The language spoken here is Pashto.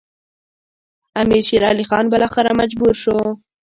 امیر شېر علي خان بالاخره مجبور شو.